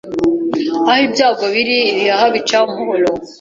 Aho ibyago biri ibihaha bica umuhoro